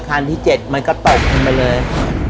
คันที่เจ็ดมันก็ตกไปเลย